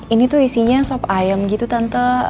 ini tuh isinya sop ayam gitu tante